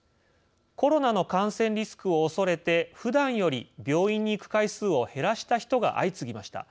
コロナの感染リスクをおそれて普段より、病院に行く回数を減らした人が相次ぎました。